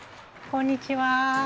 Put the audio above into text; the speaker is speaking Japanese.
こんにちは。